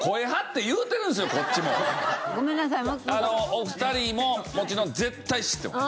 お二人ももちろん絶対知ってます。